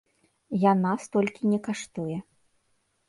Яна столькі не каштуе.